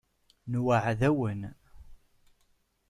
Nweεεed-awen.